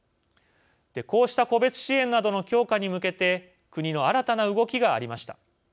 こうした個別支援などの強化に向けて国の新たな動きがありました。